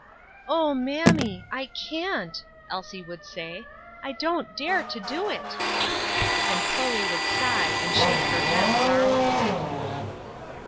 "O mammy! I can't," Elsie would say; "I don't dare to do it." And Chloe would sigh and shake her head sorrowfully.